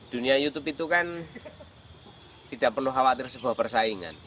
dunia youtube itu kan tidak perlu khawatir sebuah persaingan